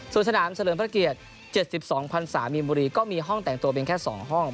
ส่วนสนามเสริญพระเกียจ๗๒๐๐๐สามีมูลีก็มีห้องแต่งตัวเป็นแค่๒ห้อง